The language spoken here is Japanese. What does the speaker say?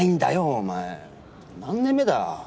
お前何年目だ。